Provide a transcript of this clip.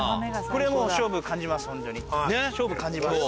これもう勝負感じます